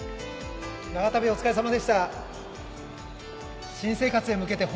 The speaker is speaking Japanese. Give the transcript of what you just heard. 長旅お疲れさまでした。